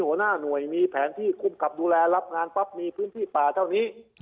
หัวหน้าหน่วยมีแผนที่คุ้มกับดูแลรับงานปั๊บมีพื้นที่ป่าเท่านี้